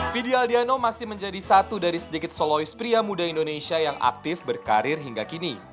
fidi aldiano masih menjadi satu dari sedikit soloist pria muda indonesia yang aktif berkarir hingga kini